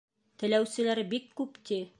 Теләүселәр бик күп, ти.